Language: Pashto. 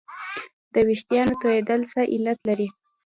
د وېښتانو تویدل څه علت لري